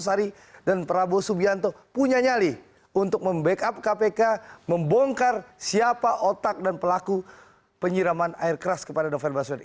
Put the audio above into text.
jadi prabowo subianto punya nyali untuk mem back up kpk membongkar siapa otak dan pelaku penyiraman air keras kepada novel baswedan